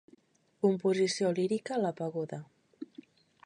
Composició lírica a la pagoda.